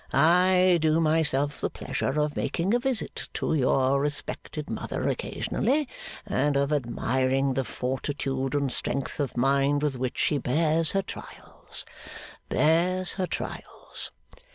I do myself the pleasure of making a visit to your respected mother occasionally, and of admiring the fortitude and strength of mind with which she bears her trials, bears her trials.